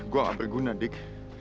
gua gak berguna dik